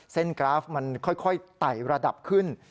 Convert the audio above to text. กราฟมันค่อยไต่ระดับขึ้น